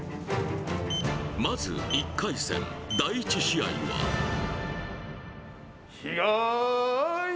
まず１回戦第１試合は東